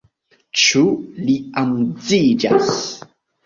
Ĉu li amuziĝas?